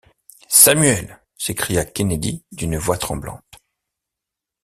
Samuel! s’écria Kennedy d’une voix tremblante.